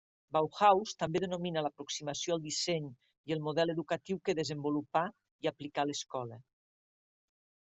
Bauhaus també denomina l'aproximació al disseny i el model educatiu que desenvolupà i aplicà l'escola.